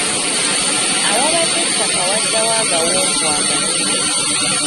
Awabadde ettaka waddawo agawonvu aganene.